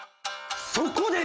そこで！